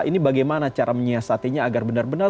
ini bagaimana cara menyiasatinya agar benar benar